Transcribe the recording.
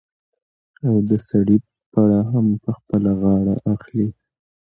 او د سړي پړه هم په خپله غاړه اخلي.